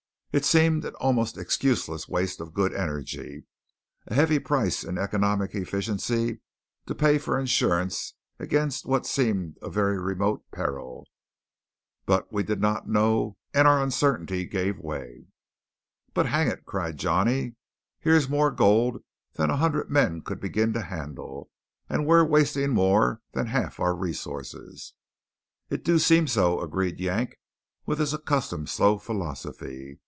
It seemed an almost excuseless waste of good energy; a heavy price in economic efficiency to pay for insurance against what seemed a very remote peril. But we did not know, and our uncertainty gave way. "But hang it!" cried Johnny, "here's more gold than a hundred men could begin to handle, and we're wasting more than half our resources." "It do seem so," agreed Yank with his accustomed slow philosophy.